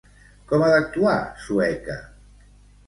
Com ha d'actuar Sueca?